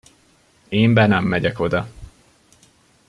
Én be nem megyek oda.